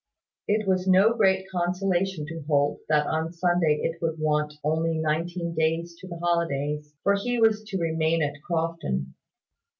It was no great consolation to Holt that on Sunday it would want only nineteen days to the holidays: for he was to remain at Crofton.